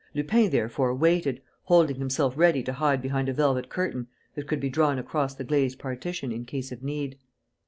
Lupin, therefore, waited, holding himself ready to hide behind a velvet curtain that could be drawn across the glazed partition in case of need.